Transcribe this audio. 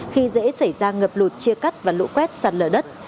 khi dễ xảy ra ngập lụt chia cắt và lũ quét sạt lở đất